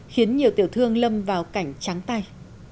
khiến nhiều tiểu thương lâm vào cảnh trắng tay